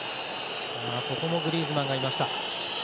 ここもグリーズマンがいました。